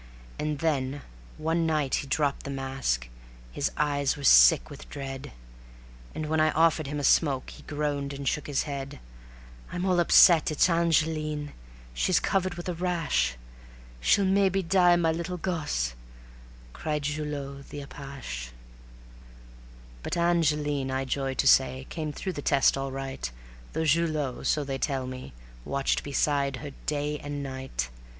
And then one night he dropped the mask; his eyes were sick with dread, And when I offered him a smoke he groaned and shook his head: "I'm all upset; it's Angeline ... she's covered with a rash ... She'll maybe die, my little gosse," cried Julot the apache. But Angeline, I joy to say, came through the test all right, Though Julot, so they tell me, watched beside her day and night.